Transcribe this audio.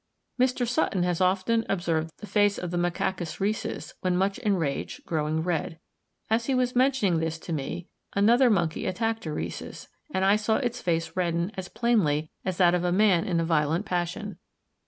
Mr. Sutton has often observed the face of the Macacus rhesus, when much enraged, growing red. As he was mentioning this to me, another monkey attacked a rhesus, and I saw its face redden as plainly as that of a man in a violent passion.